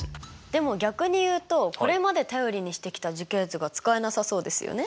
でも逆に言うとこれまで頼りにしてきた樹形図が使えなさそうですよね。